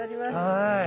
はい。